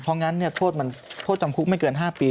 เพราะงั้นโทษจำคุกไม่เกิน๕ปี